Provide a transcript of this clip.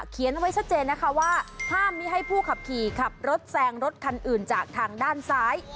เขียนเอาไว้ชัดเจนนะคะว่าห้ามมีให้ผู้ขับขี่ขับรถแซงรถคันอื่นจากทางด้านซ้าย